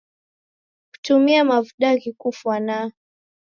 Kutumie mavuda ghikufwanaa.